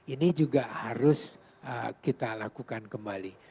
ini juga harus kita lakukan kembali